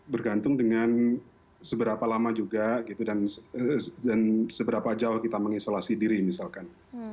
bergantung dengan seberapa lama juga gitu dan seberapa jauh kita mengisolasi diri misalkan